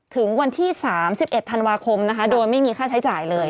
ถึงวันที่๓๑ธันวาคมนะคะโดยไม่มีค่าใช้จ่ายเลย